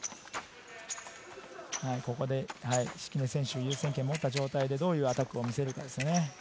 ここで敷根選手、優先権を持った状態でどういうアタックを見せるか。